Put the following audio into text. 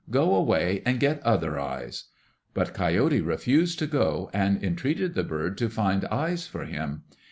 Go away and get other eyes." But Coyote refused to go and entreated the bird to find eyes for him.